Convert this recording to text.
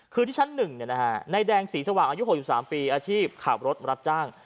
คือที่ชั้นหนึ่งนายแดงสีสว่างอายุ๖๓ปีอาชีพข่าวรถรัฐจ้าง